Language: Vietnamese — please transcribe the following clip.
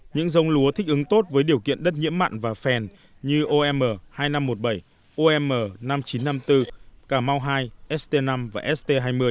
những giống lúa thích ứng tốt với điều kiện đất nhiễm mặn và phèn như om hai nghìn năm trăm một mươi bảy om năm nghìn chín trăm năm mươi bốn cà mau hai st năm và st hai mươi